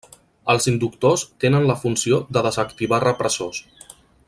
Els inductors tenen la funció de desactivar repressors.